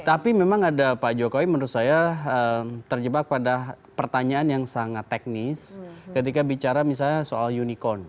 tapi memang ada pak jokowi menurut saya terjebak pada pertanyaan yang sangat teknis ketika bicara misalnya soal unicorn